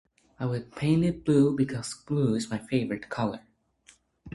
I would paint it blue because blue ia my favorite color.